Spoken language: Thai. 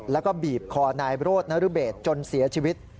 แล้วก็บีบคอนายโรธนรเบศจนเสียชีวิต